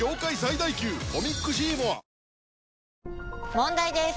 問題です！